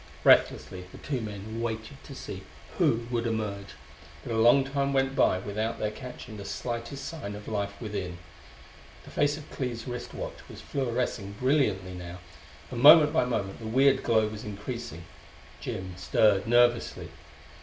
Breathlessly the two men waited to see who would emerge, but a long time went by without their catching the slightest sign of life within. The face of Clee's wrist watch was fluorescing brilliantly now, and moment by moment the weird glow was increasing. Jim stirred nervously.